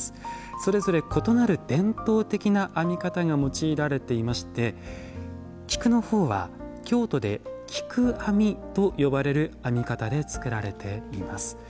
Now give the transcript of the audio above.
それぞれ異なる伝統的な編み方が用いられていまして「菊」の方は京都で菊編みと呼ばれる編み方で作られています。